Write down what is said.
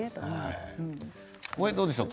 これはどうでしょう？